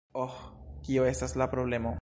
Oh, kio estas la problemo?